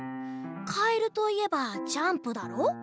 かえるといえばジャンプだろ？